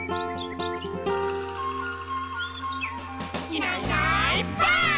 「いないいないばあっ！」